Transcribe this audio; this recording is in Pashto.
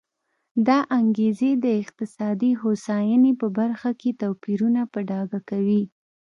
دا انګېزې د اقتصادي هوساینې په برخه کې توپیرونه په ډاګه کوي.